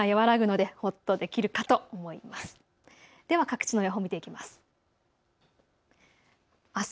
では各地の予報を見ていきます。